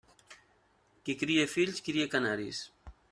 Qui cria fills, cria canaris.